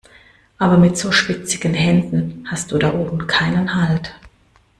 Aber mit so schwitzigen Händen hast du da oben keinen Halt.